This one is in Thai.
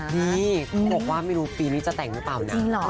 นี่เขาบอกว่าไม่รู้ปีนี้จะแต่งหรือเปล่านะ